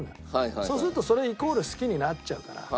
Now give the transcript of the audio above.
そうするとそれイコール好きになっちゃうから。